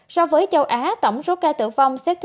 so với châu á tổng số ca tử vong xếp thứ sáu